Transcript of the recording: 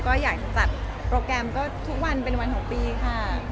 ก็อยากจะจัดโปรแกรมก็ทุกวันเป็นวันของปีค่ะ